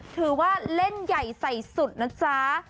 ถือว่าเล่นใหญ่ใส่สุดนะจ๊ะ